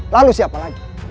lalu siapa lagi